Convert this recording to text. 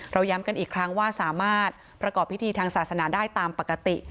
ย้ำกันอีกครั้งว่าสามารถประกอบพิธีทางศาสนาได้ตามปกติ